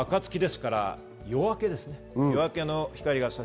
暁ですから、夜明けですね。